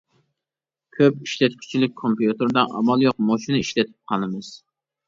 كۆپ ئىشلەتكۈچىلىك كومپيۇتېردا ئامال يوق مۇشۇنى ئىشلىتىپ قالىمىز.